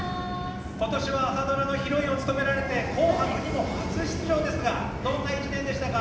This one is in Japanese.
今年は朝ドラのヒロインを務められて紅白初出場ですがどんな１年でしたか？